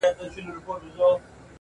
هم په عمر هم په وزن برابر وه!.